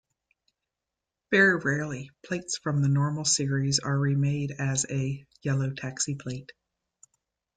Very rarely, plates from the normal series are remade as a yellow taxi plate.